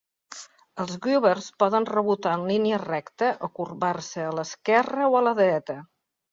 Els "grubbers" poden rebotar en línia recta o corbar-se a l'esquerra o a la dreta.